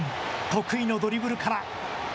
得意のドリブルから。